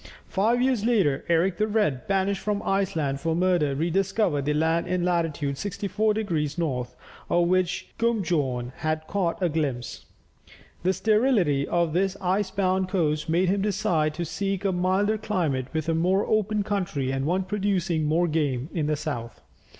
Five years later, Eric the Red, banished from Iceland for murder, rediscovered the land in latitude 64 degrees north, of which Guunbjorn had caught a glimpse. The sterility of this ice bound coast made him decide to seek a milder climate with a more open country, and one producing more game, in the south.